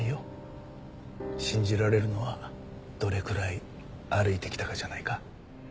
信じられるのはどれくらい歩いてきたかじゃないか？